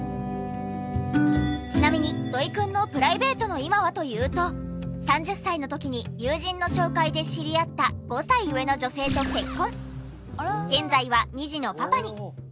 ちなみに土井くんのプライベートの今はというと３０歳の時に友人の紹介で知り合った５歳上の女性と結婚。